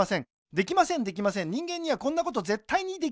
できませんできません人間にはこんなことぜったいにできません